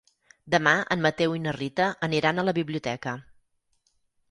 Demà en Mateu i na Rita aniran a la biblioteca.